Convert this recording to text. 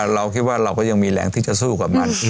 เราคิดว่าเราก็ยังมีแรงที่จะสู้กับมัน